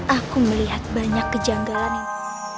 aku melihat banyak kejanggalan yang